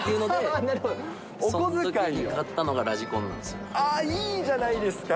すごいじゃないですか。